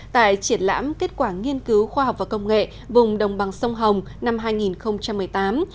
tại triển lãm kết quả nghiên cứu khoa học và công nghệ vùng đồng bằng sông hồng năm hai nghìn một mươi tám